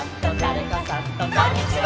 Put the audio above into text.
「こんにちは！」